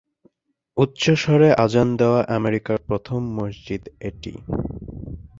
উচ্চস্বরে আযান দেওয়া আমেরিকার প্রথম মসজিদ এটি।